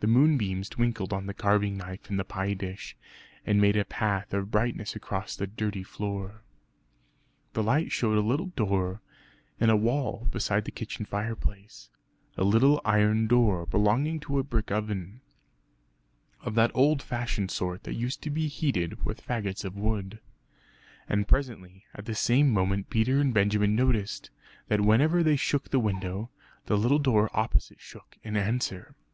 The moonbeams twinkled on the carving knife and the pie dish, and made a path of brightness across the dirty floor. The light showed a little door in a wall beside the kitchen fireplace a little iron door belonging to a brick oven, of that old fashioned sort that used to be heated with faggots of wood. And presently at the same moment Peter and Benjamin noticed that whenever they shook the window the little door opposite shook in answer.